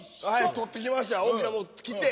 取ってきました大きな包丁で切って。